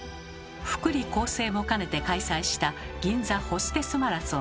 福利厚生も兼ねて開催した「銀座ホステスマラソン」。